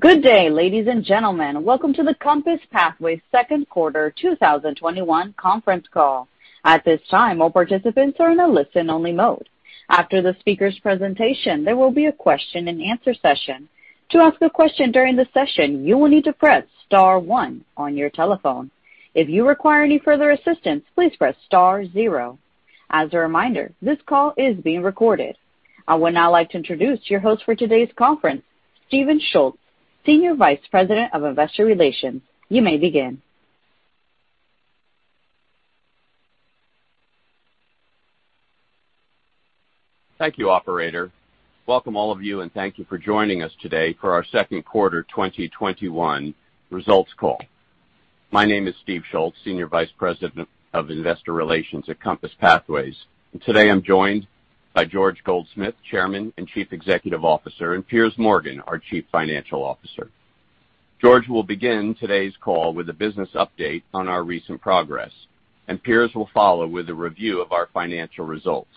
Good day, ladies and gentlemen. Welcome to the COMPASS Pathways second quarter 2021 conference call. I would now like to introduce your host for today's conference, Stephen Schultz, Senior Vice President of Investor Relations. You may begin. Thank you, operator. Welcome all of you, and thank you for joining us today for our second quarter 2021 results call. My name is Steve Schultz, Senior Vice President of Investor Relations at COMPASS Pathways, and today I'm joined by George Goldsmith, Chairman and Chief Executive Officer, and Piers Morgan, our Chief Financial Officer. George will begin today's call with a business update on our recent progress, and Piers will follow with a review of our financial results.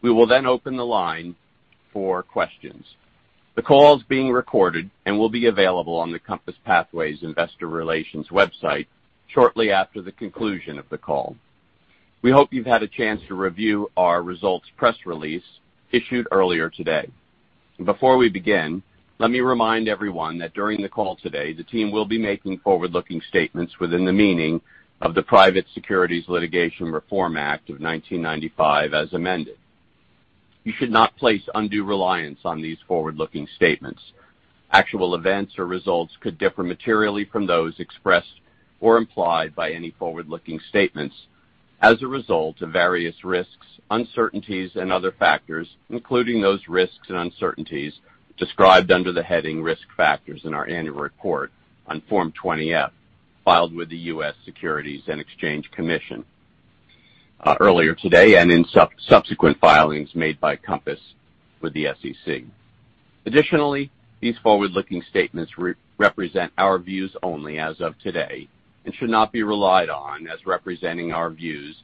We will then open the line for questions. The call is being recorded and will be available on the COMPASS Pathways investor relations website shortly after the conclusion of the call. We hope you've had a chance to review our results press release issued earlier today. Before we begin, let me remind everyone that during the call today, the team will be making forward-looking statements within the meaning of the Private Securities Litigation Reform Act of 1995 as amended. You should not place undue reliance on these forward-looking statements. Actual events or results could differ materially from those expressed or implied by any forward-looking statements as a result of various risks, uncertainties, and other factors, including those risks and uncertainties described under the heading Risk Factors in our annual report on Form 20-F filed with the U.S. Securities and Exchange Commission, earlier today, and in subsequent filings made by COMPASS with the SEC. Additionally, these forward-looking statements represent our views only as of today and should not be relied on as representing our views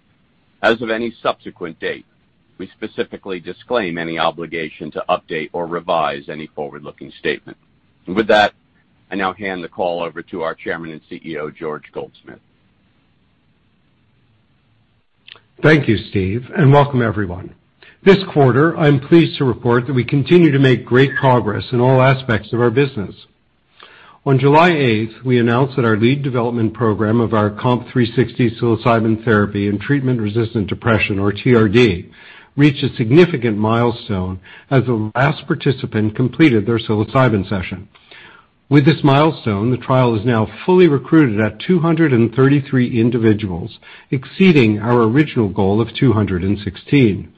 as of any subsequent date. We specifically disclaim any obligation to update or revise any forward-looking statement. With that, I now hand the call over to our Chairman and CEO, George Goldsmith. Thank you, Steve, and welcome everyone. This quarter, I'm pleased to report that we continue to make great progress in all aspects of our business. On July 8th, we announced that our lead development program of our COMP360 psilocybin therapy in treatment-resistant depression, or TRD, reached a significant milestone as the last participant completed their psilocybin session. With this milestone, the trial is now fully recruited at 233 individuals, exceeding our original goal of 216.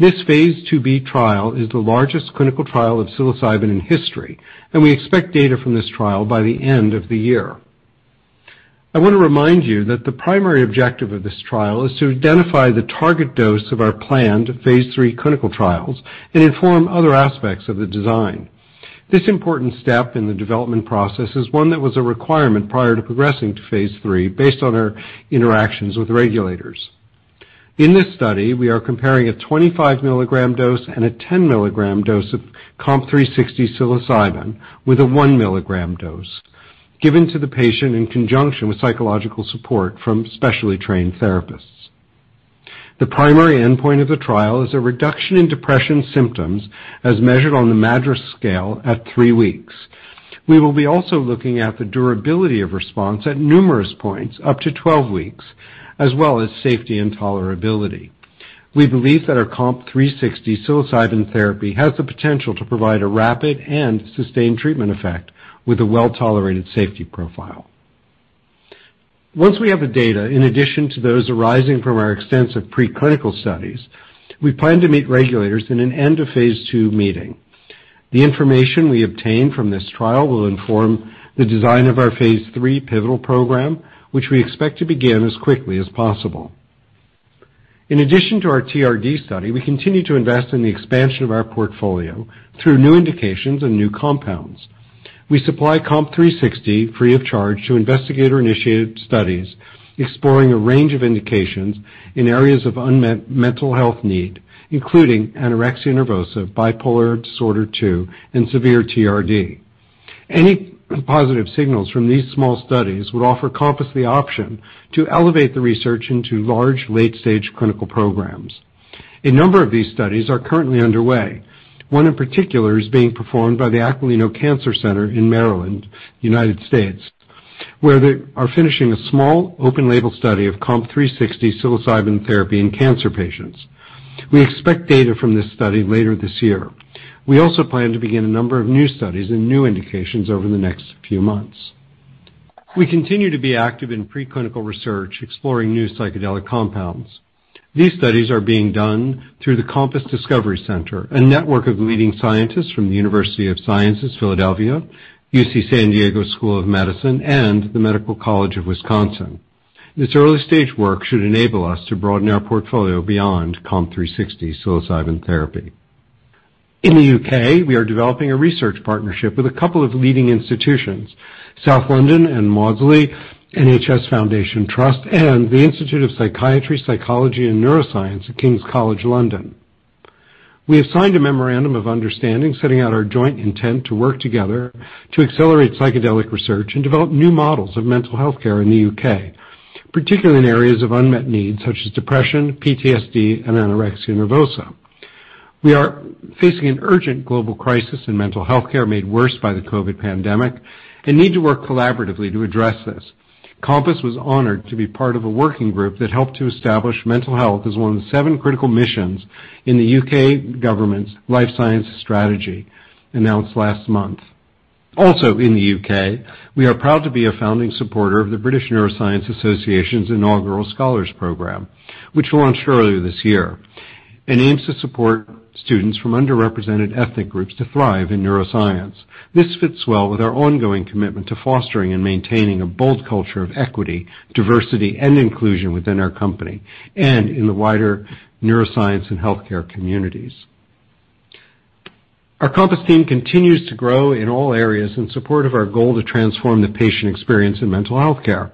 This phase II-B trial is the largest clinical trial of psilocybin in history, and we expect data from this trial by the end of the year. I want to remind you that the primary objective of this trial is to identify the target dose of our planned phase III clinical trials and inform other aspects of the design. This important step in the development process is one that was a requirement prior to progressing to phase III based on our interactions with regulators. In this study, we are comparing a 25 mg dose and a 10 mg dose of COMP360 psilocybin with a 1 mg dose given to the patient in conjunction with psychological support from specially trained therapists. The primary endpoint of the trial is a reduction in depression symptoms as measured on the MADRS scale at three weeks. We will be also looking at the durability of response at numerous points up to 12 weeks, as well as safety and tolerability. We believe that our COMP360 psilocybin therapy has the potential to provide a rapid and sustained treatment effect with a well-tolerated safety profile. Once we have the data, in addition to those arising from our extensive preclinical studies, we plan to meet regulators in an end-of-phase II meeting. The information we obtain from this trial will inform the design of our phase III pivotal program, which we expect to begin as quickly as possible. In addition to our TRD study, we continue to invest in the expansion of our portfolio through new indications and new compounds. We supply COMP360 free of charge to investigator-initiated studies exploring a range of indications in areas of unmet mental health need, including anorexia nervosa, bipolar disorder II, and severe TRD. Any positive signals from these small studies would offer COMPASS the option to elevate the research into large late-stage clinical programs. A number of these studies are currently underway. One in particular is being performed by the Aquilino Cancer Center in Maryland, U.S., where they are finishing a small open-label study of COMP360 psilocybin therapy in cancer patients. We expect data from this study later this year. We also plan to begin a number of new studies and new indications over the next few months. We continue to be active in preclinical research exploring new psychedelic compounds. These studies are being done through the COMPASS Discovery Center, a network of leading scientists from the University of the Sciences in Philadelphia, UC San Diego School of Medicine, and the Medical College of Wisconsin. This early-stage work should enable us to broaden our portfolio beyond COMP360 psilocybin therapy. In the U.K., we are developing a research partnership with a couple of leading institutions, South London and Maudsley NHS Foundation Trust, and the Institute of Psychiatry, Psychology & Neuroscience at King's College London. We have signed a memorandum of understanding, setting out our joint intent to work together to accelerate psychedelic research and develop new models of mental health care in the U.K., particularly in areas of unmet needs such as depression, PTSD, and anorexia nervosa. We are facing an urgent global crisis in mental health care, made worse by the COVID pandemic, and need to work collaboratively to address this. COMPASS Pathways was honored to be part of a working group that helped to establish mental health as one of the seven critical missions in the U.K. government's life science strategy announced last month. In the U.K., we are proud to be a founding supporter of the British Neuroscience Association's inaugural Scholars Program, which launched earlier this year, and aims to support students from underrepresented ethnic groups to thrive in neuroscience. This fits well with our ongoing commitment to fostering and maintaining a bold culture of equity, diversity, and inclusion within our company, and in the wider neuroscience and healthcare communities. Our COMPASS team continues to grow in all areas in support of our goal to transform the patient experience in mental healthcare.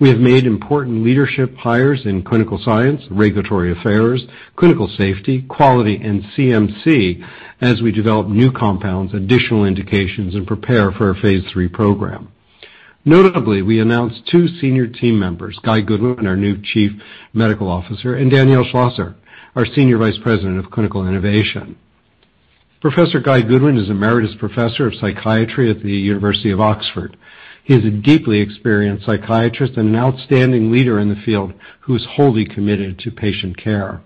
We have made important leadership hires in clinical science, regulatory affairs, clinical safety, quality, and CMC as we develop new compounds, additional indications, and prepare for our phase III program. Notably, we announced two senior team members, Guy Goodwin, our new Chief Medical Officer, and Danielle Schlosser, our Senior Vice President, Clinical Innovation. Professor Guy Goodwin is emeritus professor of psychiatry at the University of Oxford. He is a deeply experienced psychiatrist and an outstanding leader in the field who's wholly committed to patient care.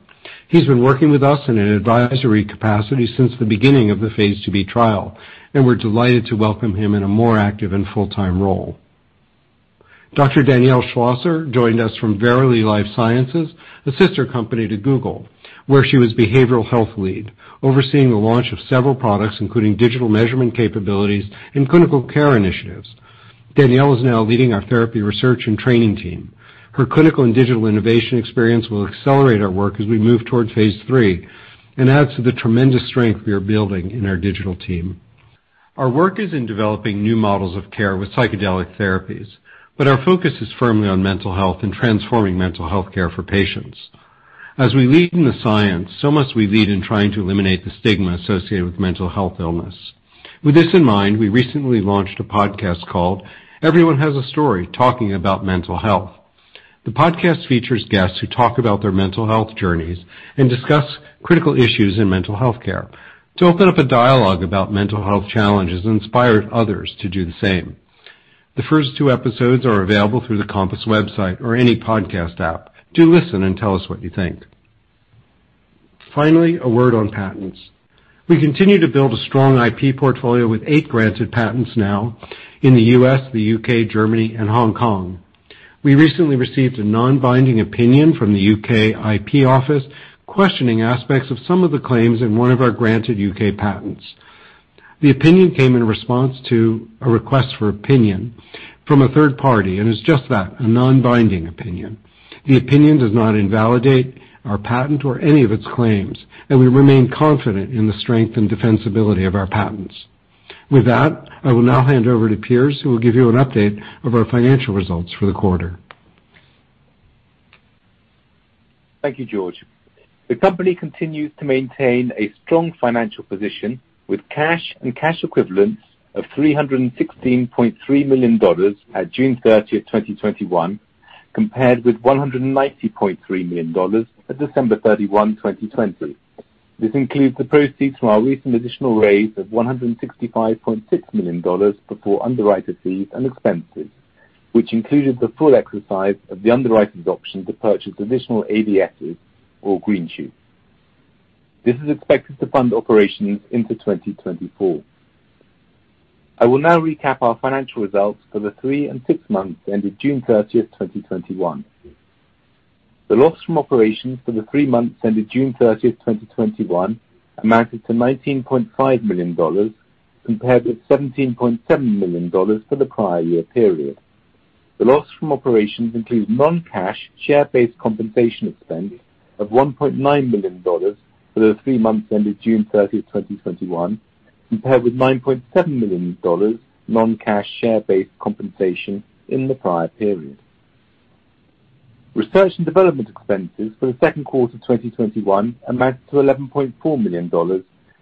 He's been working with us in an advisory capacity since the beginning of the phase II-B trial. We're delighted to welcome him in a more active and full-time role. Dr. Danielle Schlosser joined us from Verily Life Sciences, a sister company to Google, where she was behavioral health lead, overseeing the launch of several products, including digital measurement capabilities and clinical care initiatives. Danielle is now leading our therapy research and training team. Her clinical and digital innovation experience will accelerate our work as we move towards phase III and adds to the tremendous strength we are building in our digital team. Our work is in developing new models of care with psychedelic therapies, but our focus is firmly on mental health and transforming mental health care for patients. As we lead in the science, so must we lead in trying to eliminate the stigma associated with mental health illness. With this in mind, we recently launched a podcast called "Everyone Has a Story: Talking About Mental Health." The podcast features guests who talk about their mental health journeys and discuss critical issues in mental health care to open up a dialogue about mental health challenges and inspire others to do the same. The first two episodes are available through the COMPASS website or any podcast app. Do listen and tell us what you think. Finally, a word on patents. We continue to build a strong IP portfolio with eight granted patents now in the U.S., the U.K., Germany, and Hong Kong. We recently received a non-binding opinion from the U.K. IP Office questioning aspects of some of the claims in one of our granted U.K. patents. The opinion came in response to a request for opinion from a third party and is just that, a non-binding opinion. The opinion does not invalidate our patent or any of its claims, and we remain confident in the strength and defensibility of our patents. With that, I will now hand over to Piers, who will give you an update of our financial results for the quarter. Thank you, George. The company continues to maintain a strong financial position with cash and cash equivalents of $316.3 million at June 30th, 2021, compared with $190.3 million at December 31th, 2020. This includes the proceeds from our recent additional raise of $165.6 million before underwriter fees and expenses, which included the full exercise of the underwriter's option to purchase additional ADSs or greenshoes. This is expected to fund operations into 2024. I will now recap our financial results for the three and six months ended June 30th, 2021. The loss from operations for the three months ended June 30th, 2021, amounted to $19.5 million, compared with $17.7 million for the prior year period. The loss from operations include non-cash share-based compensation expense of $1.9 million for the three months ended June 30th, 2021, compared with $9.7 million non-cash share-based compensation in the prior period. Research and development expenses for the second quarter of 2021 amounted to $11.4 million,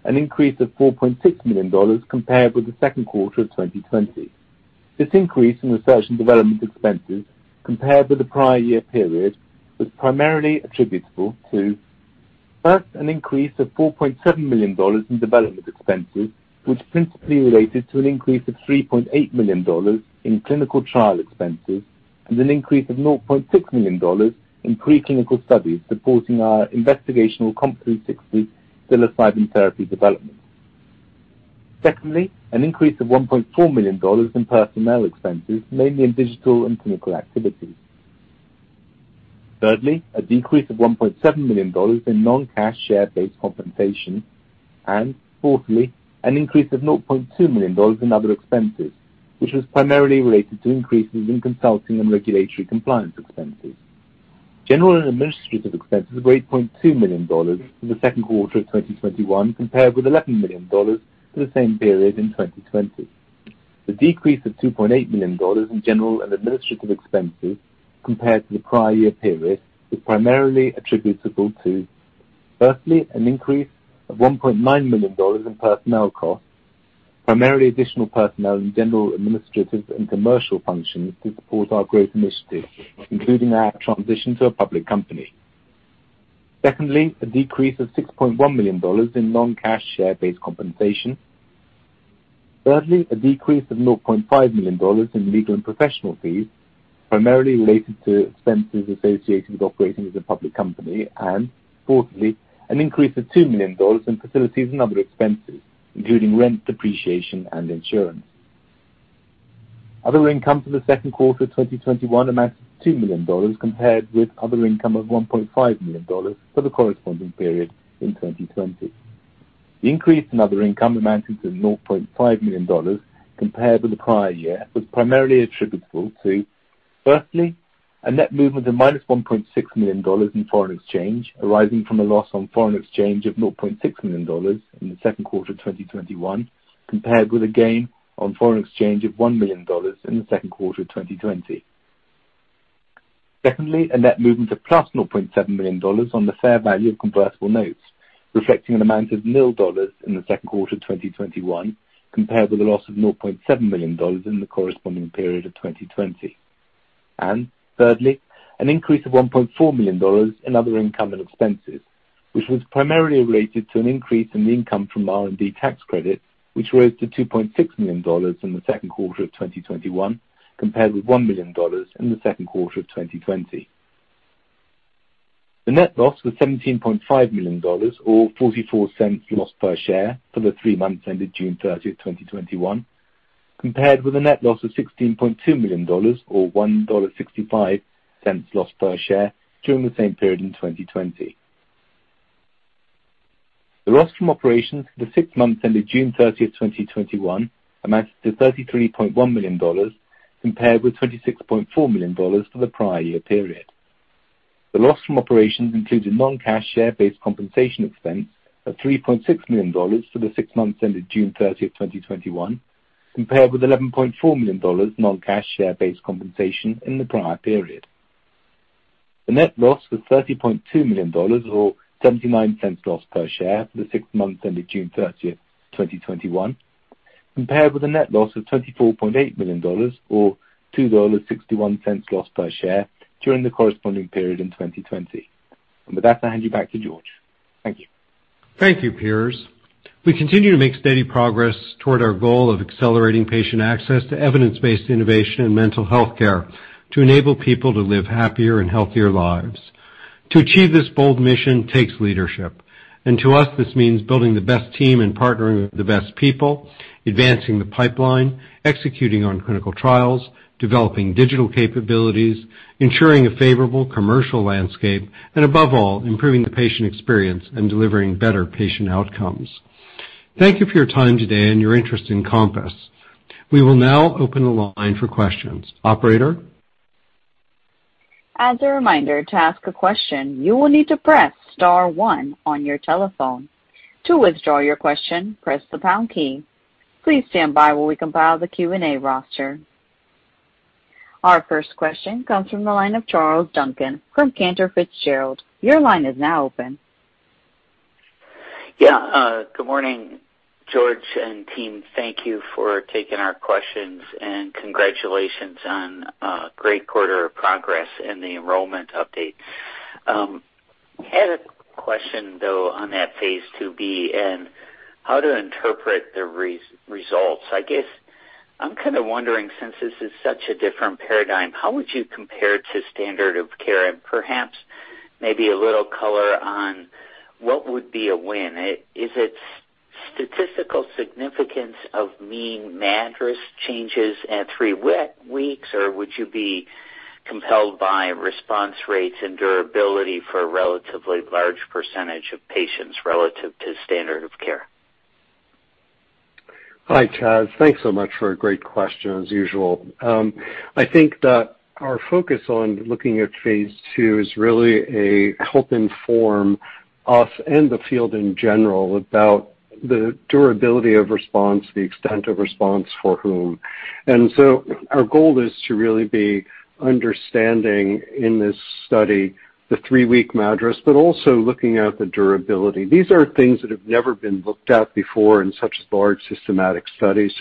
an increase of $4.6 million compared with the second quarter of 2020. This increase in research and development expenses compared with the prior year period was primarily attributable to, first, an increase of $4.7 million in development expenses, which principally related to an increase of $3.8 million in clinical trial expenses and an increase of $0.6 million in preclinical studies supporting our investigational COMP360 psilocybin therapy development. Secondly, an increase of $1.4 million in personnel expenses, mainly in digital and clinical activities. Thirdly, a decrease of $1.7 million in non-cash share-based compensation. Fourthly, an increase of $0.2 million in other expenses, which was primarily related to increases in consulting and regulatory compliance expenses. General and administrative expenses were $8.2 million for the second quarter of 2021, compared with $11 million for the same period in 2020. The decrease of $2.8 million in general and administrative expenses compared to the prior year period is primarily attributable to, firstly, an increase of $1.9 million in personnel costs, primarily additional personnel in general administrative and commercial functions to support our growth initiatives, including our transition to a public company. Secondly, a decrease of $6.1 million in non-cash share-based compensation. Thirdly, a decrease of $0.5 million in legal and professional fees, primarily related to expenses associated with operating as a public company. Fourthly, an increase of $2 million in facilities and other expenses, including rent, depreciation, and insurance. Other income for the second quarter 2021 amounted to $2 million compared with other income of $1.5 million for the corresponding period in 2020. The increase in other income amounted to $0.5 million compared with the prior year was primarily attributable to, firstly, a net movement of -$1.6 million in foreign exchange, arising from a loss on foreign exchange of $0.6 million in the second quarter of 2021 compared with a gain on foreign exchange of $1 million in the second quarter of 2020. Secondly, a net movement of +$0.7 million on the fair value of convertible notes, reflecting an amount of $0 in the second quarter of 2021 compared with a loss of $0.7 million in the corresponding period of 2020. Thirdly, an increase of $1.4 million in other income and expenses, which was primarily related to an increase in the income from R&D tax credit, which rose to $2.6 million in the second quarter of 2021 compared with $1 million in the second quarter of 2020. The net loss was $17.5 million or $0.44 loss per share for the three months ended June 30th, 2021, compared with a net loss of $16.2 million or $1.65 loss per share during the same period in 2020. The loss from operations for the six months ended June 30th, 2021, amounted to $33.1 million compared with $26.4 million for the prior year period. The loss from operations included non-cash share-based compensation expense of $3.6 million for the six months ended June 30th, 2021, compared with $11.4 million non-cash share-based compensation in the prior period. The net loss was $30.2 million or $0.79 loss per share for the six months ended June 30th, 2021, compared with a net loss of $24.8 million or $2.61 loss per share during the corresponding period in 2020. With that, I hand you back to George. Thank you. Thank you, Piers. We continue to make steady progress toward our goal of accelerating patient access to evidence-based innovation in mental health care to enable people to live happier and healthier lives. To achieve this bold mission takes leadership, and to us, this means building the best team and partnering with the best people, advancing the pipeline, executing on clinical trials, developing digital capabilities, ensuring a favorable commercial landscape, and above all, improving the patient experience and delivering better patient outcomes. Thank you for your time today and your interest in COMPASS. We will now open the line for questions. Operator? Our first question comes from the line of Charles Duncan from Cantor Fitzgerald. Good morning, George and team. Thank you for taking our questions, congratulations on a great quarter of progress and the enrollment update. I had a question, though, on that phase II-B and how to interpret the results. I guess I'm kind of wondering, since this is such a different paradigm, how would you compare it to standard of care? Perhaps maybe a little color on what would be a win. Is it statistical significance of mean MADRS changes at three weeks, or would you be compelled by response rates and durability for a relatively large percentage of patients relative to standard of care? Hi, Charles. Thanks so much for a great question, as usual. I think that our focus on looking at phase II is really a help inform us and the field in general about the durability of response, the extent of response for whom. Our goal is to really be understanding in this study the three-week MADRS, but also looking at the durability. These are things that have never been looked at before in such large systematic studies.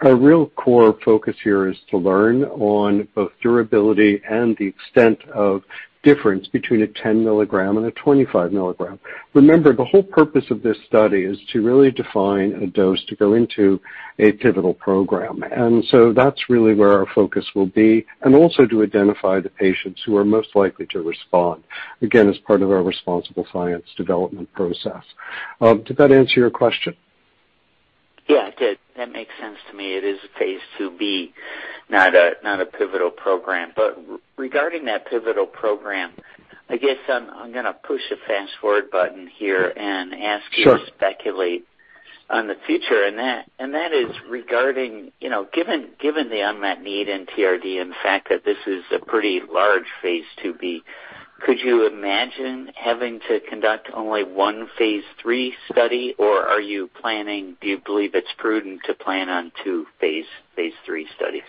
Our real core focus here is to learn on both durability and the extent of difference between a 10 mg and a 25 mg. Remember, the whole purpose of this study is to really define a dose to go into a pivotal program. That's really where our focus will be, and also to identify the patients who are most likely to respond, again, as part of our responsible science development process. Did that answer your question? Yeah, it did. That makes sense to me. It is a phase II-B, not a pivotal program. Regarding that pivotal program, I guess I'm going to push a fast-forward button here and ask you to speculate on the future, and that is regarding given the unmet need in TRD and the fact that this is a pretty large phase II-B. Could you imagine having to conduct only one phase III study, or do you believe it's prudent to plan on two phase III studies?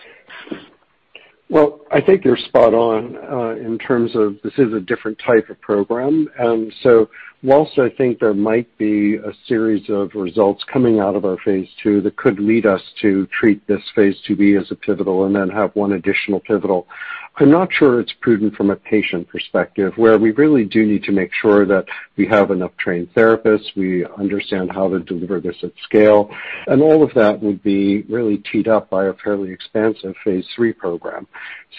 Well, I think you're spot on in terms of this is a different type of program. Whilst I think there might be a series of results coming out of our phase II that could lead us to treat this phase II-B as a pivotal and then have one additional pivotal, I'm not sure it's prudent from a patient perspective, where we really do need to make sure that we have enough trained therapists, we understand how to deliver this at scale, and all of that would be really teed up by a fairly expansive phase III program.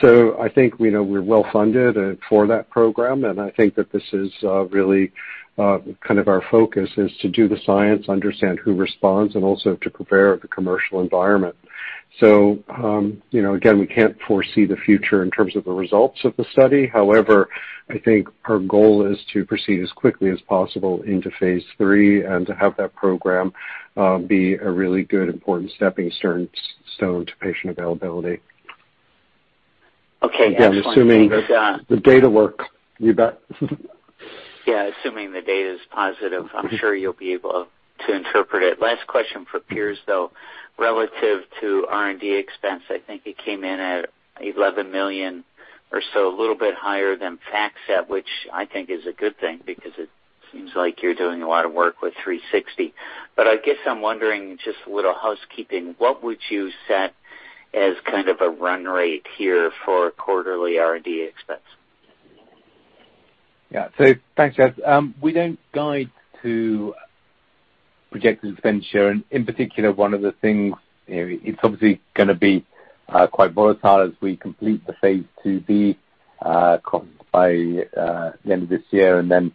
I think we know we're well-funded for that program, and I think that this is really kind of our focus is to do the science, understand who responds, and also to prepare the commercial environment. Again, we can't foresee the future in terms of the results of the study. I think our goal is to proceed as quickly as possible into phase III and to have that program be a really good important stepping stone to patient availability. Okay, excellent. Thanks. Yeah, I'm assuming the data work. You bet. Yeah. Assuming the data's positive, I'm sure you'll be able to interpret it. Last question for Piers, though, relative to R&D expense, I think it came in at $11 million or so, a little bit higher than FactSet, which I think is a good thing because it seems like you're doing a lot of work with 360. I guess I'm wondering, just a little housekeeping, what would you set as kind of a run rate here for quarterly R&D expense? Yeah. Thanks, Charles. We don't guide to projected expenditure. In particular, one of the things, it's obviously going to be quite volatile as we complete the phase II-B by the end of this year, then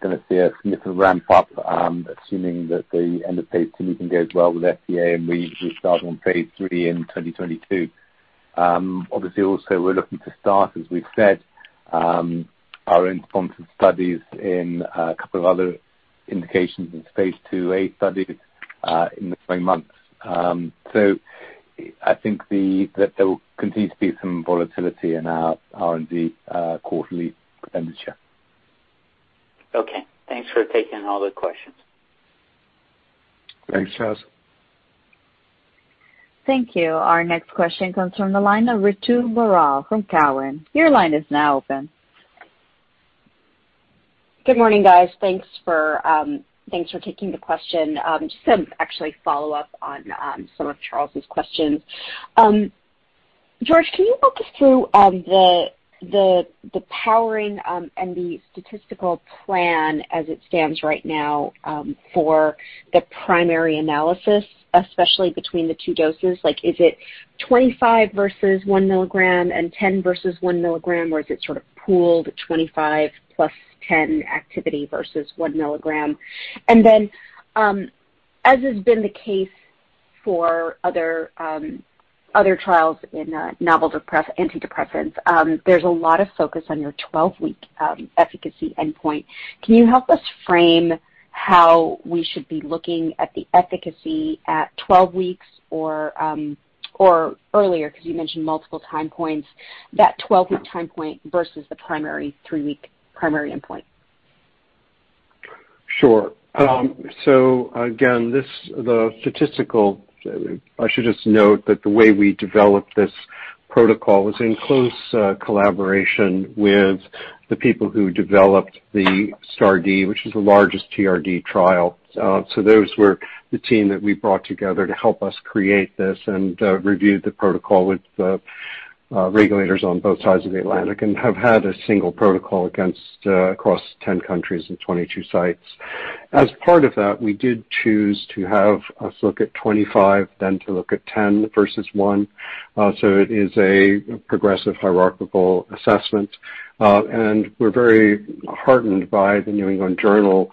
going to see a significant ramp up, assuming that the end of phase II can go as well with FDA, and we start on phase III in 2022. Obviously also, we're looking to start, as we've said, our own sponsored studies in a couple of other indications in phase II-A studies in the coming months. I think that there will continue to be some volatility in our R&D quarterly expenditure. Okay, thanks for taking all the questions. Thanks, Charles. Thank you. Our next question comes from the line of Ritu Baral from Cowen. Your line is now open. Good morning, guys. Thanks for taking the question. Just to actually follow up on some of Charles's questions. George, can you walk us through the powering and the statistical plan as it stands right now for the primary analysis, especially between the two doses? Is it 25 mg versus 1 mg and 10 mg versus 1 mg, or is it sort of pooled 25 mg + 10 mg activity versus 1 mg? As has been the case for other trials in novel antidepressants, there's a lot of focus on your 12-week efficacy endpoint. Can you help us frame how we should be looking at the efficacy at 12 weeks or earlier, because you mentioned multiple time points, that 12-week time point versus the primary three-week primary endpoint? Again, I should just note that the way we developed this protocol was in close collaboration with the people who developed the STAR*D, which is the largest TRD trial. Those were the team that we brought together to help us create this and review the protocol with the regulators on both sides of the Atlantic and have had a single protocol across 10 countries and 22 sites. As part of that, we did choose to have us look at 25 mg, then to look at 10 mg versus 1 mg. It is a progressive hierarchical assessment. We're very heartened by the New England Journal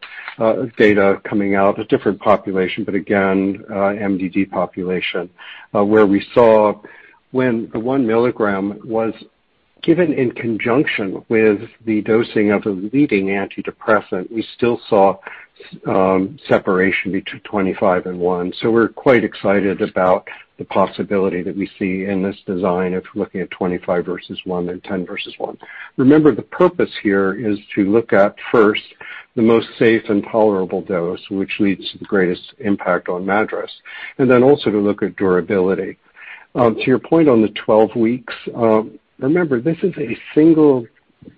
data coming out. A different population, again, MDD population, where we saw when the 1 mg was given in conjunction with the dosing of a leading antidepressant, we still saw separation between 25 mg and 1 mg. We're quite excited about the possibility that we see in this design of looking at 25 mg versus 1 mg and 10 mg versus 1 mg. Remember, the purpose here is to look at, first, the most safe and tolerable dose, which leads to the greatest impact on MADRS, and then also to look at durability. To your point on the 12 weeks, remember, this is a single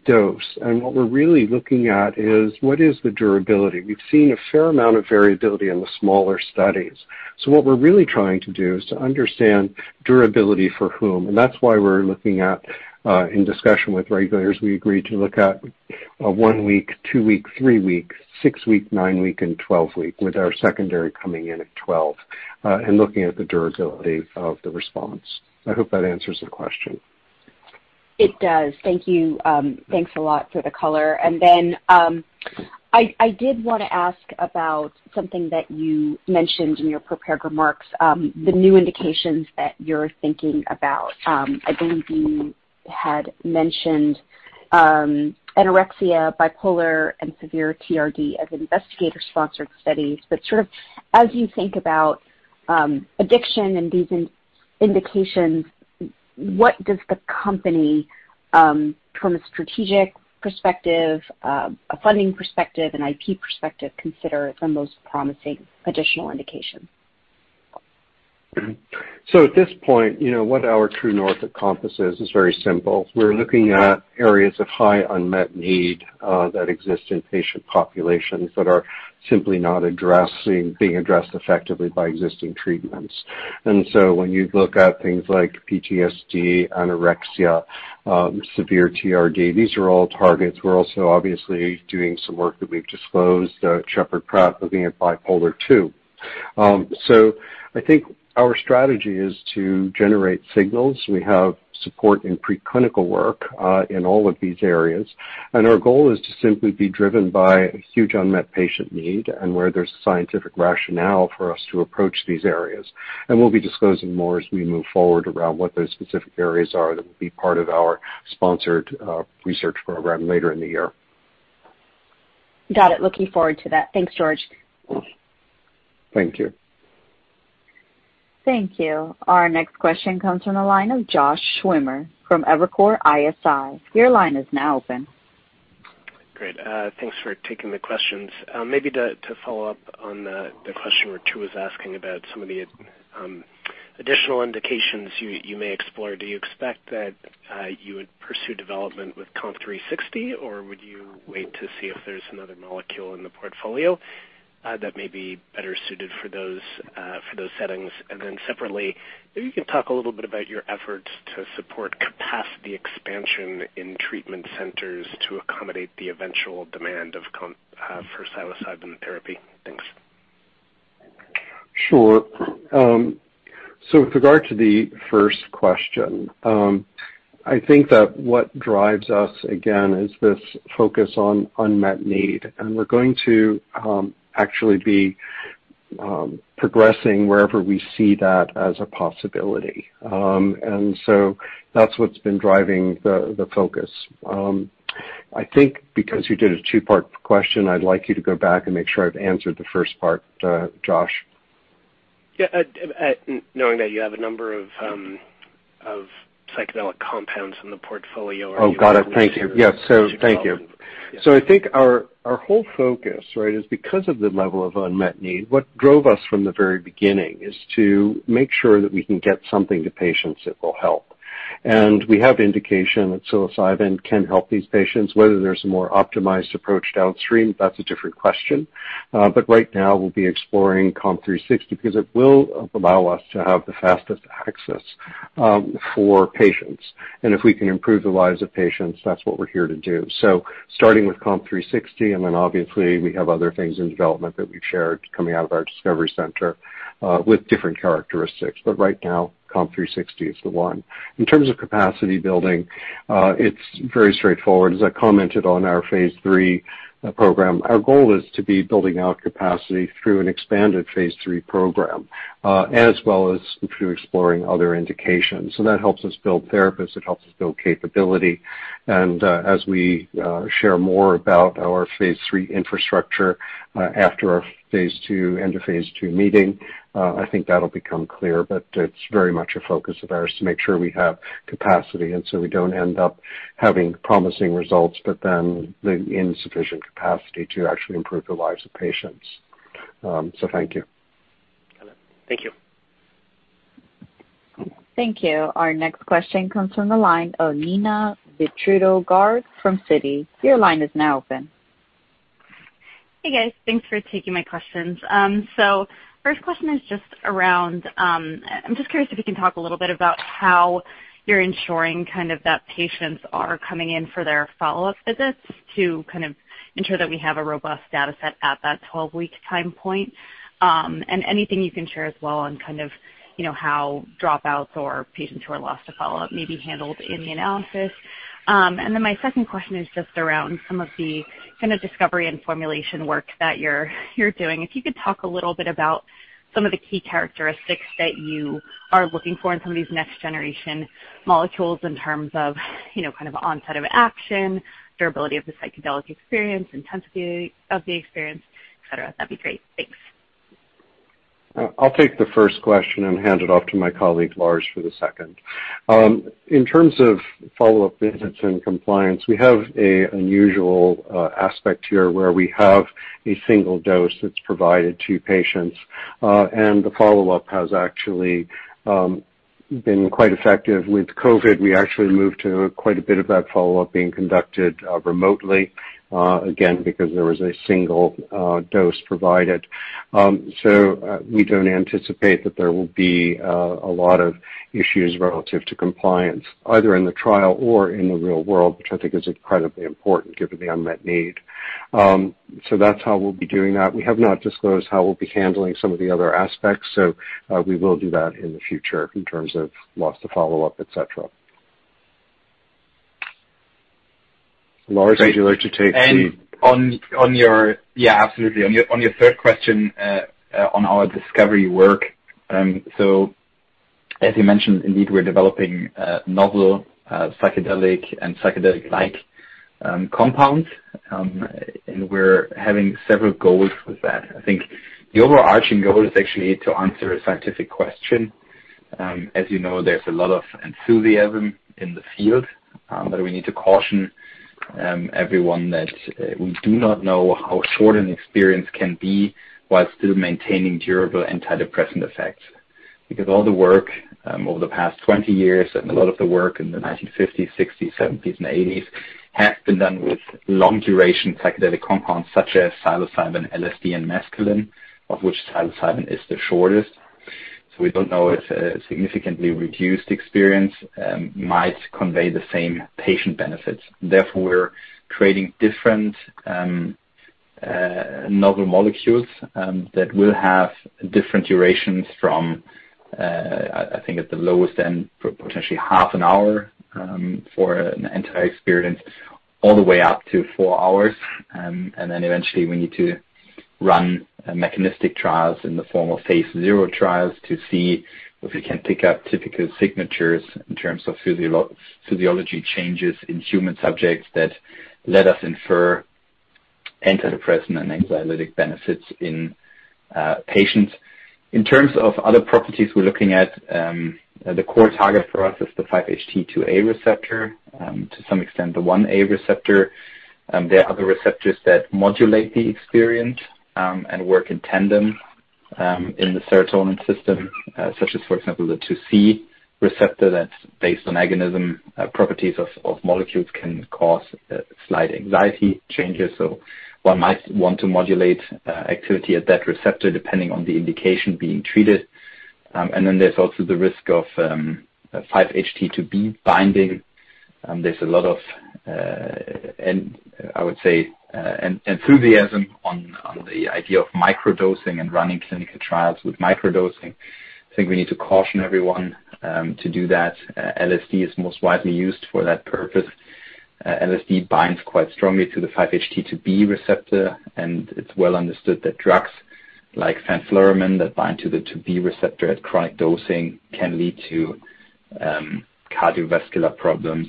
dose, and what we're really looking at is what is the durability. We've seen a fair amount of variability in the smaller studies. What we're really trying to do is to understand durability for whom, and that's why we're looking at, in discussion with regulators, we agreed to look at a one-week, two-week, three-week, six-week, nine-week, and 12-week, with our secondary coming in at 12, and looking at the durability of the response. I hope that answers the question. It does, thank you. Thanks a lot for the color. I did want to ask about something that you mentioned in your prepared remarks, the new indications that you're thinking about. I believe you had mentioned anorexia, bipolar, and severe TRD as investigator-sponsored studies. Sort of as you think about addiction and these indications, what does the company, from a strategic perspective, a funding perspective, an IP perspective, consider the most promising additional indication? At this point, what our true north at COMPASS is very simple. We're looking at areas of high unmet need that exist in patient populations that are simply not being addressed effectively by existing treatments. When you look at things like PTSD, anorexia, severe TRD, these are all targets. We're also obviously doing some work that we've disclosed, Sheppard Pratt, looking at bipolar II. I think our strategy is to generate signals. We have support in preclinical work, in all of these areas, and our goal is to simply be driven by a huge unmet patient need and where there's scientific rationale for us to approach these areas. We'll be disclosing more as we move forward around what those specific areas are that will be part of our sponsored research program later in the year. Got it, looking forward to that. Thanks, George. Thank you. Thank you. Our next question comes from the line of Josh Schimmer from Evercore ISI. Your line is now open. Great, thanks for taking the questions. To follow up on the question Ritu was asking about some of the additional indications you may explore. Do you expect that you would pursue development with COMP360, or would you wait to see if there's another molecule in the portfolio that may be better suited for those settings? Separately, maybe you can talk a little bit about your efforts to support capacity expansion in treatment centers to accommodate the eventual demand for psilocybin therapy. Thanks. Sure. With regard to the first question, I think that what drives us, again, is this focus on unmet need, and we're going to actually be progressing wherever we see that as a possibility. That's what's been driving the focus. I think because you did a two-part question, I'd like you to go back and make sure I've answered the first part, Josh. Yeah, knowing that you have a number of psychedelic compounds in the portfolio. Got it, thank you. I think our whole focus is because of the level of unmet need. What drove us from the very beginning is to make sure that we can get something to patients that will help. We have indication that psilocybin can help these patients. Whether there's a more optimized approach downstream, that's a different question. Right now, we'll be exploring COMP360 because it will allow us to have the fastest access for patients. If we can improve the lives of patients, that's what we're here to do. Starting with COMP360, then obviously we have other things in development that we've shared coming out of our COMPASS Discovery Center, with different characteristics. Right now, COMP360 is the one. In terms of capacity building, it's very straightforward. As I commented on our phase III program, our goal is to be building out capacity through an expanded phase III program, as well as through exploring other indications. That helps us build therapists, it helps us build capability. As we share more about our phase III infrastructure after our end of phase II meeting, I think that'll become clear. It's very much a focus of ours to make sure we have capacity, and so we don't end up having promising results, but then insufficient capacity to actually improve the lives of patients. Thank you. Got it, thank you. Thank you. Our next question comes from the line of Neena Bitritto-Garg from Citi. Your line is now open. Hey, guys. Thanks for taking my questions. First question is just around, I'm just curious if you can talk a little bit about how you're ensuring that patients are coming in for their follow-up visits to ensure that we have a robust data set at that 12-week time point? Anything you can share as well on how dropouts or patients who are lost to follow-up may be handled in the analysis? My second question is just around some of the discovery and formulation work that you're doing. If you could talk a little bit about some of the key characteristics that you are looking for in some of these next generation molecules in terms of onset of action, durability of the psychedelic experience, intensity of the experience, etc. That'd be great, thanks. I'll take the first question and hand it off to my colleague, Lars, for the second. In terms of follow-up visits and compliance, we have an unusual aspect here where we have a single dose that's provided to patients. The follow-up has actually been quite effective. With COVID, we actually moved to quite a bit of that follow-up being conducted remotely, again, because there was a single dose provided. We don't anticipate that there will be a lot of issues relative to compliance either in the trial or in the real world, which I think is incredibly important given the unmet need. That's how we'll be doing that. We have not disclosed how we'll be handling some of the other aspects. We will do that in the future in terms of loss to follow-up, etc. Lars, would you like to take the- Yeah, absolutely. On your third question, on our discovery work. As you mentioned, indeed, we're developing novel psychedelic and psychedelic-like compounds. We're having several goals with that. I think the overarching goal is actually to answer a scientific question. As you know, there's a lot of enthusiasm in the field, but we need to caution everyone that we do not know how short an experience can be while still maintaining durable antidepressant effects. All the work over the past 20 years, and a lot of the work in the 1950s, 1960s, 1970s, and 1980s has been done with long-duration psychedelic compounds such as psilocybin, LSD, and mescaline, of which psilocybin is the shortest. We don't know if a significantly reduced experience might convey the same patient benefits. Therefore, we're creating different novel molecules that will have different durations from, I think at the lowest end, potentially half an hour for an entire experience, all the way up to four hours. Eventually we need to run mechanistic trials in the form of phase 0 trials to see if we can pick up typical signatures in terms of physiology changes in human subjects that let us infer antidepressant and anxiolytic benefits in patients. In terms of other properties we're looking at, the core target for us is the 5-HT2A receptor. To some extent, the 5-HT1A receptor. There are other receptors that modulate the experience, and work in tandem in the serotonin system. Such as, for example, the 5-HT2C receptor that's based on agonism properties of molecules can cause slight anxiety changes. One might want to modulate activity at that receptor depending on the indication being treated. There's also the risk of 5-HT2B binding. There's a lot of, I would say, enthusiasm on the idea of microdosing and running clinical trials with microdosing. I think we need to caution everyone to do that. LSD is most widely used for that purpose. LSD binds quite strongly to the 5-HT2B receptor, and it's well understood that drugs like fenfluramine that bind to the 5-HT2B receptor at chronic dosing can lead to cardiovascular problems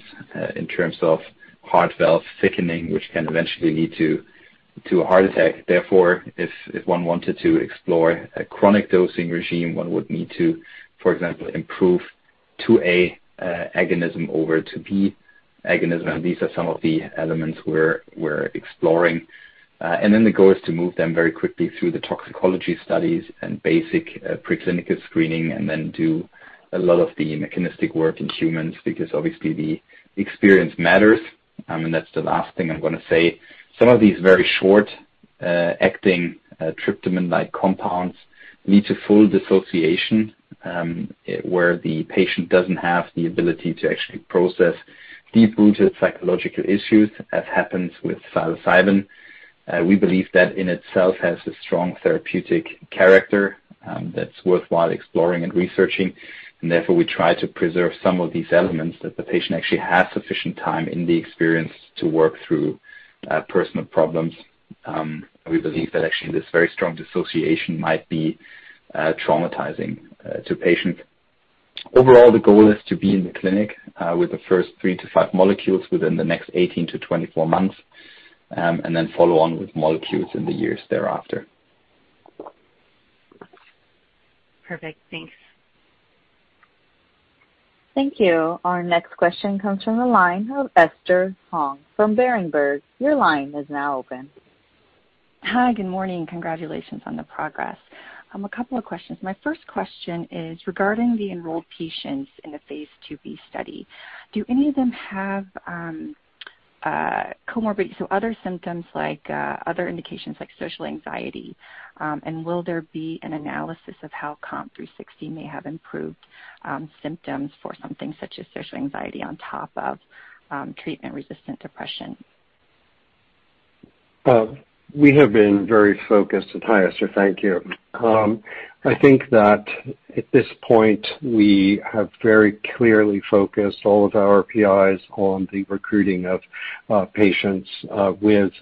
in terms of heart valve thickening, which can eventually lead to a heart attack. Therefore, if one wanted to explore a chronic dosing regime, one would need to, for example, improve 5-HT2A agonism over 5-HT2B agonism. These are some of the elements we're exploring. The goal is to move them very quickly through the toxicology studies and basic preclinical screening, then do a lot of the mechanistic work in humans, because obviously the experience matters. That's the last thing I'm going to say. Some of these very short acting tryptamine-like compounds lead to full dissociation, where the patient doesn't have the ability to actually process deep-rooted psychological issues as happens with psilocybin. We believe that in itself has a strong therapeutic character that's worthwhile exploring and researching. Therefore, we try to preserve some of these elements that the patient actually has sufficient time in the experience to work through personal problems. We believe that actually this very strong dissociation might be traumatizing to patients. Overall, the goal is to be in the clinic with the first three to five molecules within the next 18-24 months, and then follow on with molecules in the years thereafter. Perfect, thanks. Thank you. Our next question comes from the line of Esther Hong from Berenberg. Your line is now open. Hi, good morning. Congratulations on the progress. A couple of questions. My first question is regarding the enrolled patients in the phase II-B study. Do any of them have other symptoms, like other indications like social anxiety? Will there be an analysis of how COMP360 may have improved symptoms for something such as social anxiety on top of treatment-resistant depression? We have been very focused. Hi, Esther. Thank you. I think that at this point, we have very clearly focused all of our PIs on the recruiting of patients with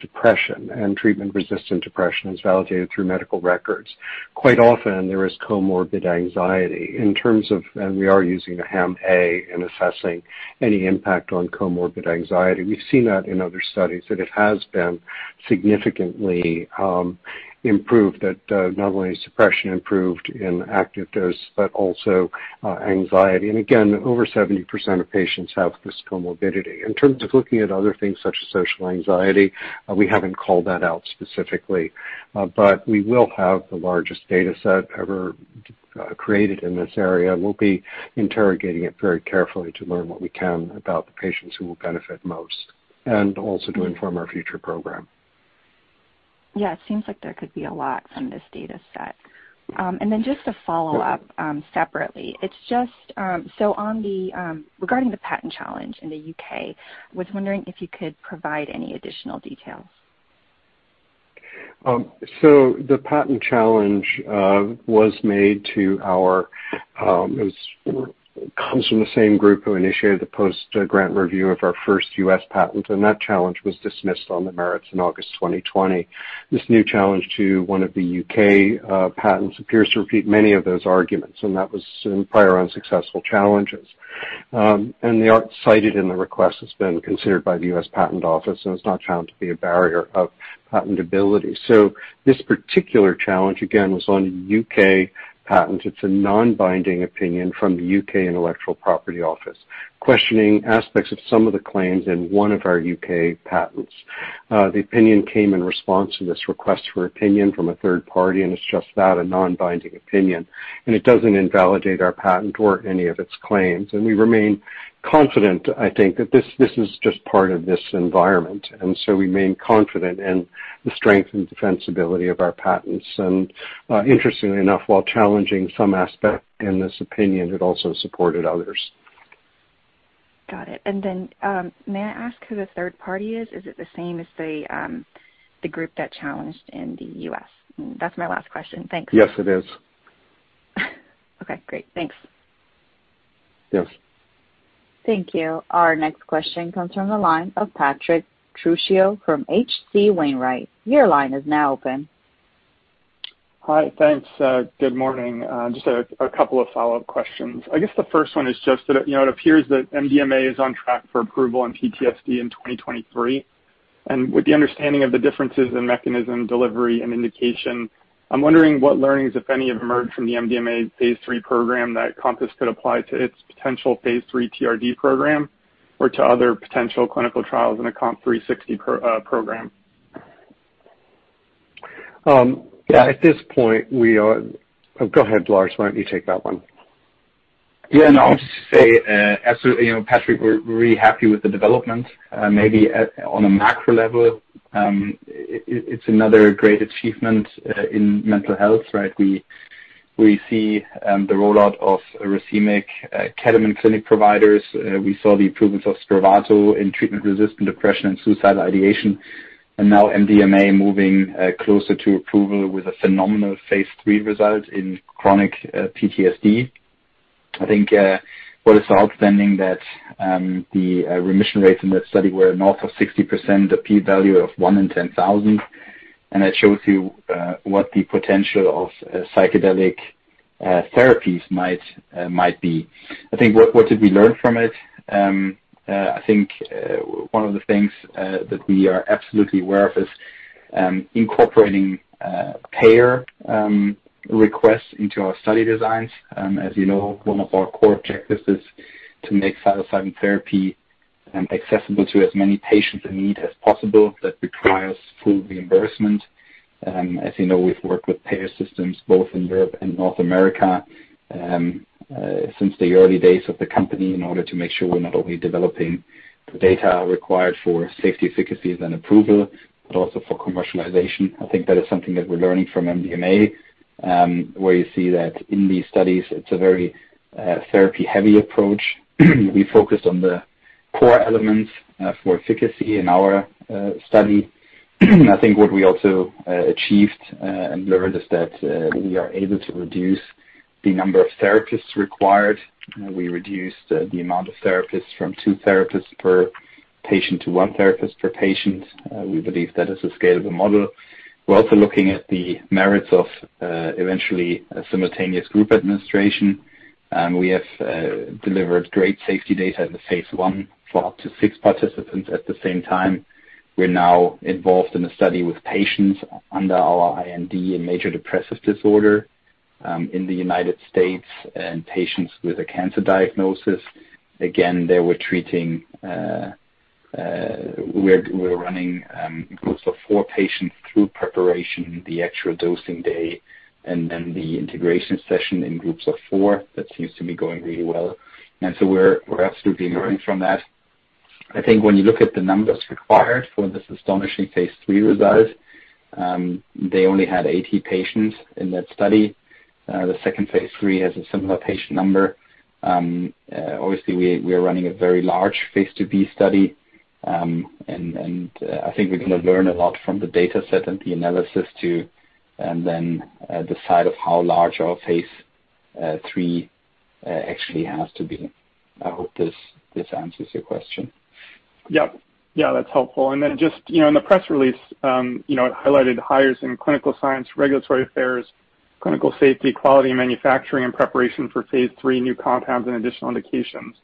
depression and treatment-resistant depression as validated through medical records. Quite often, there is comorbid anxiety. In terms of, we are using the HAM-A in assessing any impact on comorbid anxiety. We've seen that in other studies, that it has been significantly improved. That not only is depression improved in active dose, but also anxiety. Again, over 70% of patients have this comorbidity. In terms of looking at other things such as social anxiety, we haven't called that out specifically. We will have the largest data set ever created in this area. We'll be interrogating it very carefully to learn what we can about the patients who will benefit most, and also to inform our future program. Yeah, it seems like there could be a lot from this data set. Just a follow-up separately. Regarding the patent challenge in the U.K., I was wondering if you could provide any additional details? The patent challenge comes from the same group who initiated the post-grant review of our first U.S. patent, and that challenge was dismissed on the merits in August 2020. This new challenge to one of the U.K. patents appears to repeat many of those arguments, and that was in prior unsuccessful challenges. They aren't cited in the request that's been considered by the U.S. Patent Office, and it's not found to be a barrier of patentability. This particular challenge, again, was on a U.K. patent. It's a non-binding opinion from the U.K. Intellectual Property Office questioning aspects of some of the claims in one of our U.K. patents. The opinion came in response to this request for opinion from a third party, it's just that, a non-binding opinion, and it doesn't invalidate our patent or any of its claims. We remain confident, I think that this is just part of this environment, we remain confident in the strength and defensibility of our patents. Interestingly enough, while challenging some aspect in this opinion, it also supported others. Got it. May I ask who the third party is? Is it the same as the group that challenged in the U.S.? That's my last question. Thanks. Yes, it is. Okay, great. Thanks. Yes. Thank you. Our next question comes from the line of Patrick Trucchio from H.C. Wainwright. Your line is now open. Hi, thanks. Good morning. Just a couple of follow-up questions. I guess the first one is just that it appears that MDMA is on track for approval in PTSD in 2023. With the understanding of the differences in mechanism, delivery, and indication, I'm wondering what learnings, if any, have emerged from the MDMA phase III program that COMPASS could apply to its potential phase III TRD program or to other potential clinical trials in a COMP360 program? Yeah. At this point, go ahead, Lars. Why don't you take that one? Yeah, no. I'll just say, absolutely, Patrick, we're really happy with the development. Maybe on a macro level, it's another great achievement in mental health, right? We see the rollout of racemic ketamine clinic providers. We saw the approvals of SPRAVATO in treatment-resistant depression and suicidal ideation. Now, MDMA moving closer to approval with a phenomenal phase III result in chronic PTSD. I think what is outstanding that the remission rates in that study were north of 60%, a P-value of 1 in 10,000. That shows you what the potential of psychedelic therapies might be. I think what did we learn from it? I think one of the things that we are absolutely aware of is incorporating payer requests into our study designs. As you know, one of our core objectives is to make psilocybin therapy accessible to as many patients in need as possible. That requires full reimbursement. As you know, we've worked with payer systems both in Europe and North America since the early days of the company in order to make sure we're not only developing the data required for safety, efficacy, and approval, but also for commercialization. I think that is something that we're learning from MDMA, where you see that in these studies, it's a very therapy heavy approach. We focused on the core elements for efficacy in our study. I think what we also achieved and learned is that we are able to reduce the number of therapists required. We reduced the amount of therapists from two therapists per patient to one therapist per patient. We believe that is a scalable model. We're also looking at the merits of eventually a simultaneous group administration. We have delivered great safety data in the phase I for up to six participants at the same time. We're now involved in a study with patients under our IND in major depressive disorder in the U.S. and patients with a cancer diagnosis. Again, there we're treating, we're running groups of four patients through preparation, the actual dosing day, and then the integration session in groups of four. That seems to be going really well. We're absolutely learning from that. I think when you look at the numbers required for this astonishing phase III result, they only had 80 patients in that study. The second phase III has a similar patient number. Obviously, we are running a very large phase II-B study. I think we're going to learn a lot from the data set and the analysis too, and then decide of how large our phase III actually has to be. I hope this answers your question. Yep. Yeah, that's helpful. Just in the press release, it highlighted hires in clinical science, regulatory affairs, clinical safety, quality manufacturing in preparation for phase III new compounds and additional indications.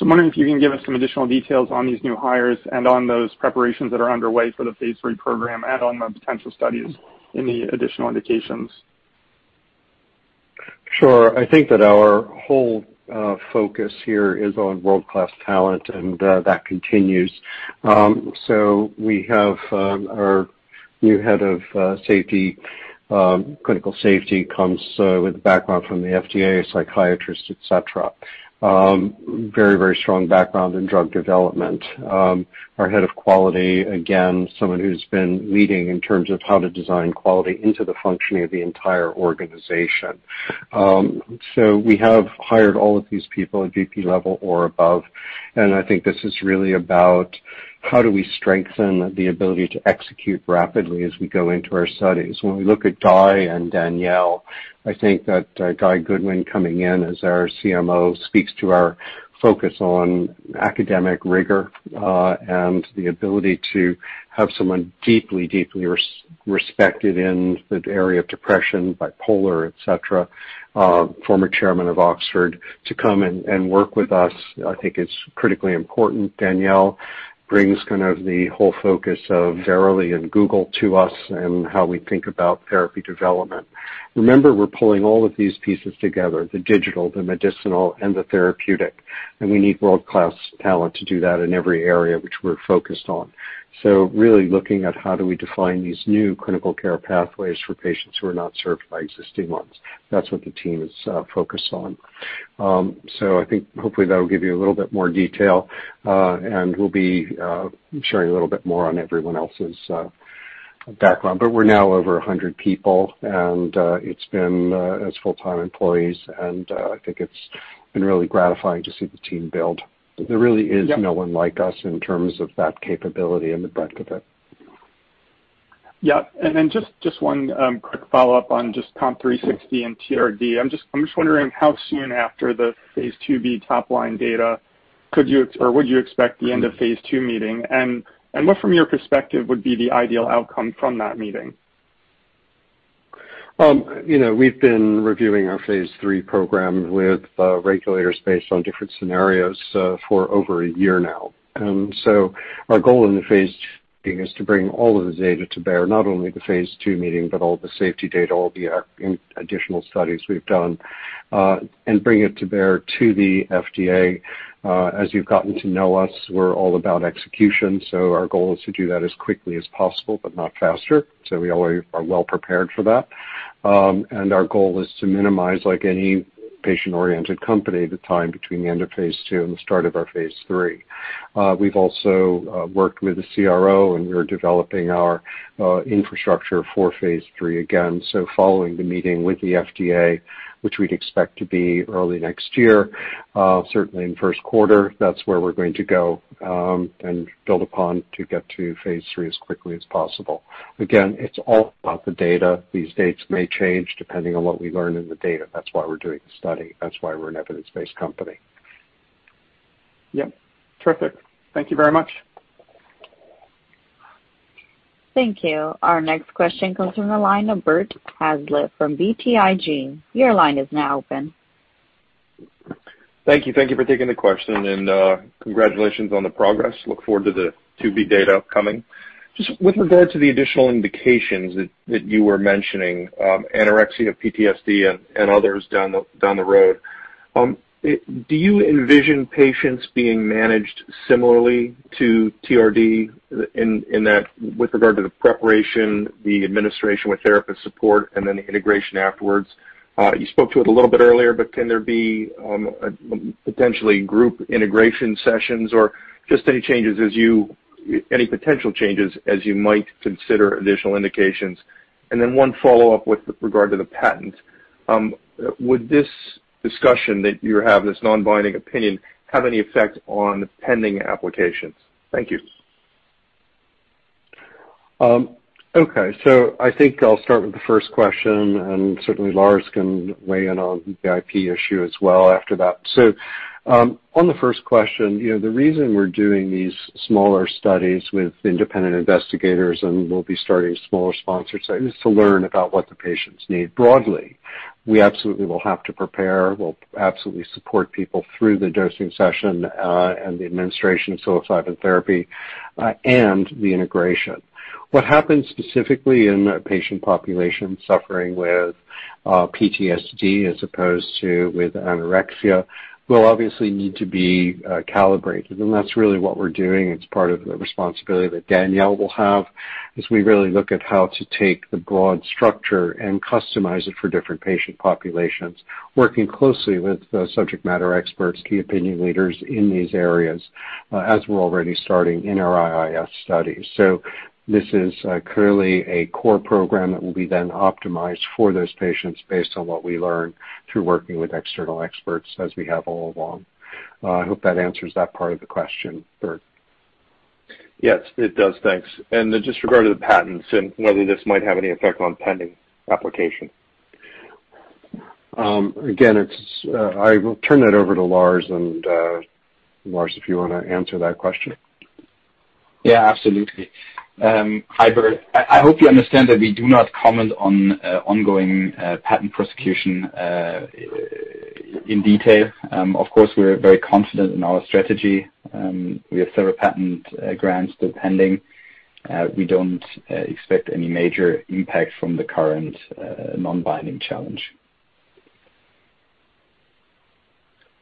I'm wondering if you can give us some additional details on these new hires and on those preparations that are underway for the phase III program and on the potential studies in the additional indications. Sure, I think that our whole focus here is on world-class talent, and that continues. We have our new head of safety, clinical safety comes with a background from the FDA, a psychiatrist, etc. Very, very strong background in drug development. Our head of quality, again, someone who's been leading in terms of how to design quality into the functioning of the entire organization. We have hired all of these people at VP level or above, and I think this is really about how do we strengthen the ability to execute rapidly as we go into our studies. When we look at Guy and Danielle, I think that Guy Goodwin coming in as our CMO speaks to our focus on academic rigor, and the ability to have someone deeply respected in the area of depression, bipolar, etc, former chairman of Oxford, to come and work with us, I think is critically important. Danielle brings kind of the whole focus of Verily and Google to us and how we think about therapy development. Remember, we're pulling all of these pieces together, the digital, the medicinal, and the therapeutic, and we need world-class talent to do that in every area which we're focused on. Really looking at how do we define these new clinical care pathways for patients who are not served by existing ones. That's what the team is focused on. I think hopefully that will give you a little bit more detail, and we'll be sharing a little bit more on everyone else's background. We're now over 100 people, and it's full-time employees. I think it's been really gratifying to see the team build. There really is no one like us in terms of that capability and the breadth of it. Yeah. Just one quick follow-up on just COMP360 and TRD. I'm just wondering how soon after the phase II-B top line data could you, or would you expect the end of phase II meeting? What, from your perspective, would be the ideal outcome from that meeting? We've been reviewing our phase III program with regulators based on different scenarios for over a year now. Our goal in the phase is to bring all of the data to bear, not only the phase II meeting, but all the safety data, all the additional studies we've done, and bring it to bear to the FDA. As you've gotten to know us, we're all about execution, so our goal is to do that as quickly as possible but not faster. We always are well prepared for that. Our goal is to minimize, like any patient-oriented company, the time between the end of phase II and the start of our phase III. We've also worked with the CRO, and we're developing our infrastructure for phase III again. Following the meeting with the FDA, which we'd expect to be early next year, certainly in the first quarter, that's where we're going to go and build upon to get to phase III as quickly as possible. Again, it's all about the data. These dates may change depending on what we learn in the data. That's why we're doing the study. That's why we're an evidence-based company. Yep. Terrific. Thank you very much. Thank you. Our next question comes from the line of Bert Hazlett from BTIG. Your line is now open. Thank you. Thank you for taking the question, and congratulations on the progress. Look forward to the II-B data upcoming. Just with regard to the additional indications that you were mentioning, anorexia, PTSD, and others down the road, do you envision patients being managed similarly to TRD in that with regard to the preparation, the administration with therapist support, and then the integration afterwards? You spoke to it a little bit earlier, but can there be potentially group integration sessions or just any potential changes as you might consider additional indications? Then one follow-up with regard to the patent. Would this discussion that you have, this non-binding opinion, have any effect on pending applications? Thank you. Okay. I think I'll start with the first question, and certainly Lars can weigh in on the IP issue as well after that. On the first question, the reason we're doing these smaller studies with independent investigators, and we'll be starting smaller sponsor studies, is to learn about what the patients need broadly. We absolutely will have to prepare. We'll absolutely support people through the dosing session and the administration of psilocybin therapy and the integration. What happens specifically in a patient population suffering with PTSD as opposed to with anorexia will obviously need to be calibrated, and that's really what we're doing. It's part of the responsibility that Danielle will have as we really look at how to take the broad structure and customize it for different patient populations, working closely with subject matter experts, key opinion leaders in these areas as we're already starting in our IIS studies. This is clearly a core program that will be then optimized for those patients based on what we learn through working with external experts as we have all along. I hope that answers that part of the question, Bert. Yes, it does. Thanks. Just with regard to the patents and whether this might have any effect on pending application? Again, I will turn that over to Lars. Lars, if you want to answer that question. Yeah, absolutely. Hi, Bert. I hope you understand that we do not comment on ongoing patent prosecution in detail. Of course, we're very confident in our strategy. We have several patent grants still pending. We don't expect any major impact from the current non-binding challenge.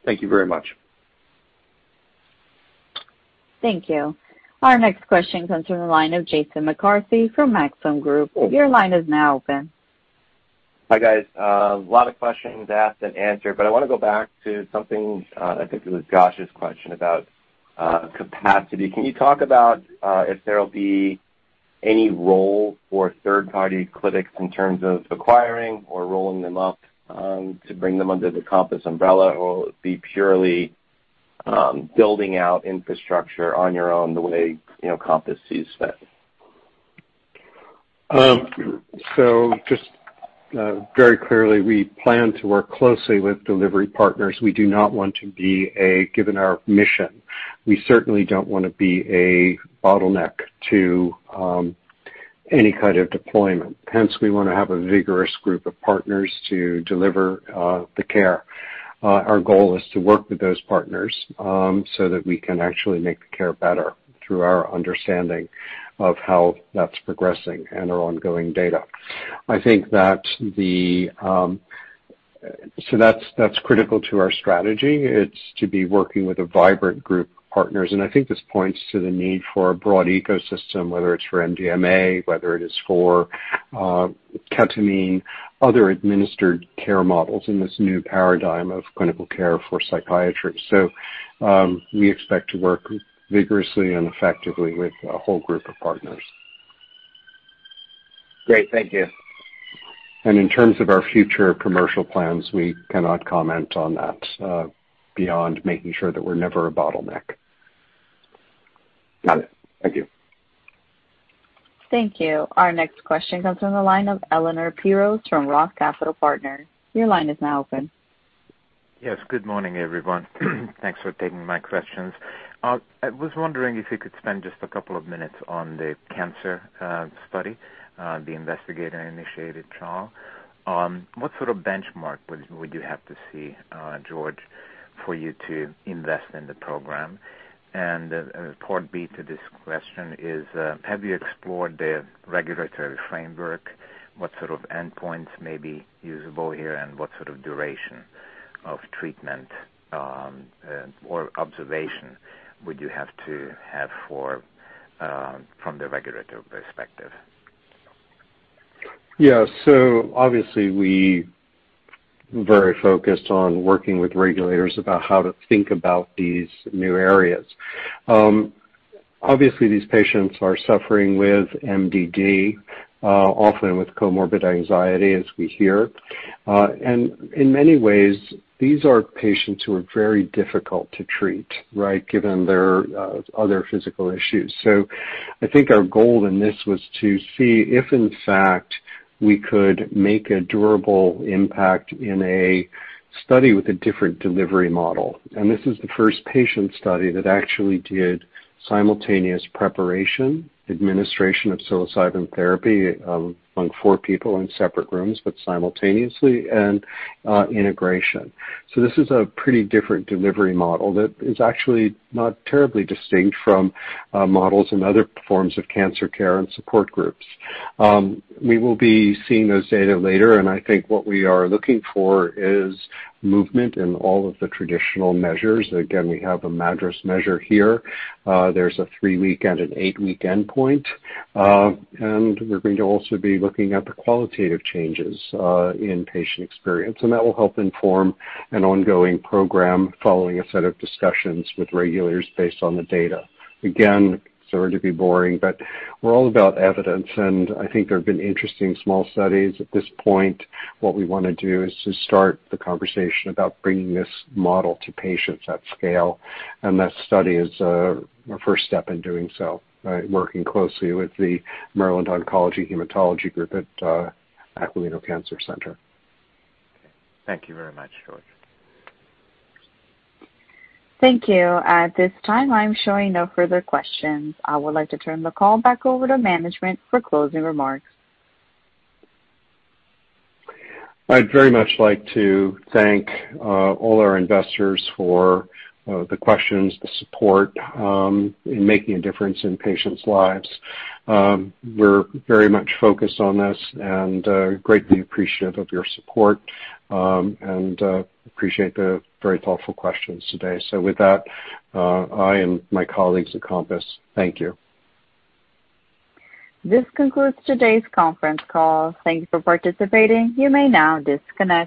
Thank you very much. Thank you. Our next question comes from the line of Jason McCarthy from Maxim Group. Your line is now open. Hi, guys. A lot of questions asked and answered. I want to go back to something, I think it was Josh's question about capacity. Can you talk about if there will be any role for third-party clinics in terms of acquiring or rolling them up to bring them under the COMPASS Pathways umbrella? Will it be purely building out infrastructure on your own the way COMPASS Pathways sees fit? Just very clearly, we plan to work closely with delivery partners. Given our mission, we certainly don't want to be a bottleneck to any kind of deployment. We want to have a vigorous group of partners to deliver the care. Our goal is to work with those partners so that we can actually make the care better through our understanding of how that's progressing and our ongoing data. That's critical to our strategy. It's to be working with a vibrant group of partners, and I think this points to the need for a broad ecosystem, whether it's for MDMA, whether it is for ketamine, other administered care models in this new paradigm of clinical care for psychiatry. We expect to work vigorously and effectively with a whole group of partners. Great, thank you. In terms of our future commercial plans, we cannot comment on that beyond making sure that we're never a bottleneck. Got it, thank you. Thank you. Our next question comes from the line of Elemer Piros from ROTH Capital Partners. Your line is now open. Yes. Good morning, everyone. Thanks for taking my questions. I was wondering if you could spend just a couple of minutes on the cancer study, the investigator-initiated trial. What sort of benchmark would you have to see, George, for you to invest in the program? Part B to this question is, have you explored the regulatory framework? What sort of endpoints may be usable here, and what sort of duration of treatment or observation would you have to have from the regulatory perspective? Obviously, we very focused on working with regulators about how to think about these new areas. Obviously, these patients are suffering with MDD, often with comorbid anxiety as we hear. In many ways, these are patients who are very difficult to treat, right, given their other physical issues. I think our goal in this was to see if, in fact, we could make a durable impact in a study with a different delivery model. This is the first patient study that actually did simultaneous preparation, administration of psilocybin therapy among four people in separate rooms but simultaneously, and integration. This is a pretty different delivery model that is actually not terribly distinct from models and other forms of cancer care and support groups. We will be seeing those data later, and I think what we are looking for is movement in all of the traditional measures. Again, we have a MADRS measure here. There's a three-week and an eight-week endpoint. We're going to also be looking at the qualitative changes in patient experience, and that will help inform an ongoing program following a set of discussions with regulators based on the data. Again, sorry to be boring, but we're all about evidence, and I think there have been interesting small studies at this point. What we want to do is to start the conversation about bringing this model to patients at scale. That study is our first step in doing so by working closely with the Maryland Oncology Hematology Group at Aquilino Cancer Center. Okay. Thank you very much, George. Thank you. At this time, I'm showing no further questions. I would like to turn the call back over to management for closing remarks. I'd very much like to thank all our investors for the questions, the support in making a difference in patients' lives. We're very much focused on this and greatly appreciative of your support. Appreciate the very thoughtful questions today. With that, I and my colleagues at COMPASS thank you. This concludes today's conference call. Thank you for participating. You may now disconnect.